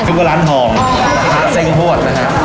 นี้คือร้านหองฮ่าเซ็งฮวด